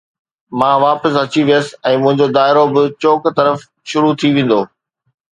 مان واپس اچي ويس ۽ منهنجو دائرو به چوڪ طرف شروع ٿي ويندو